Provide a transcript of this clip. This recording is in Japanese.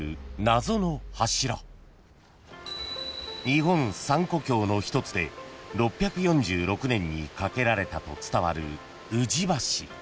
［日本三古橋の一つで６４６年に架けられたと伝わる］